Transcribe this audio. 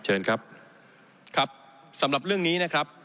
เชิญครับครับสำหรับเรื่องนี้นะครับ